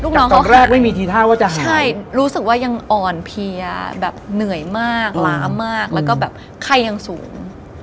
ตอนแรกไม่มีทีท่าว่าจะหายใช่รู้สึกว่ายังอ่อนเพลียแบบเหนื่อยมากล้ามากแล้วก็แบบไข้ยังสูง